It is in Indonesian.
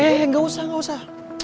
eh gak usah gak usah